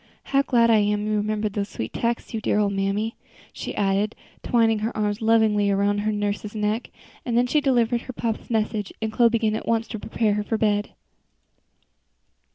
How glad I am you remembered those sweet texts, you dear old mammy," she added, twining her arms lovingly around her nurse's neck. And then she delivered her papa's message, and Chloe began at once to prepare her for bed.